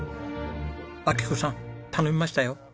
明彦さん頼みましたよ。